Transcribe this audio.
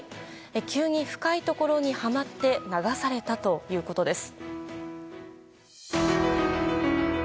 急に深いところにはまって流されたということです。